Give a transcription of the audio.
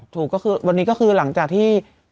ถูกตอนนี้ก็คือหลังจากที่